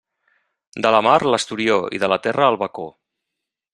De la mar l'esturió i de la terra el bacó.